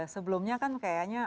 sebelumnya kan kayaknya